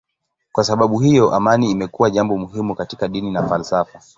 Kwa sababu hiyo amani imekuwa jambo muhimu katika dini na falsafa.